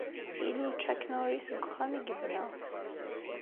Ilul Chuck Norris deg uxxam i yebna.